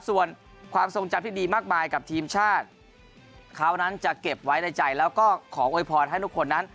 ส่วนความทรงจำที่ดีมากมายกับทีมชาติเขานั้นจะเก็บไว้ในใจแล้วก็ขอโวยพรให้ทุกคนนั้น